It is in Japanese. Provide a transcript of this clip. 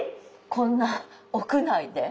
こんな屋内で？